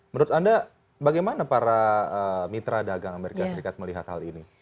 menurut anda bagaimana para mitra dagang amerika serikat melihat hal ini